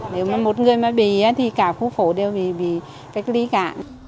nếu mà một người mà bị thì cả khu phố đều bị cách ly cả